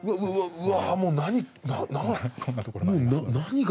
うわ！